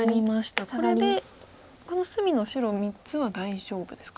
これでこの隅の白３つは大丈夫ですか。